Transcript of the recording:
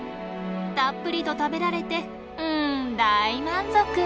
たっぷりと食べられてうん大満足。